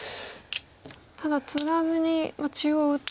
ただツガずに中央打って。